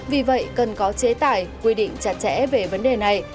vì vậy cần có chế tài quy định chặt chẽ về vấn đề này